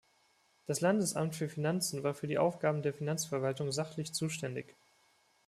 Das Landesamt für Finanzen war für die Aufgaben der Finanzverwaltung sachlich zuständig.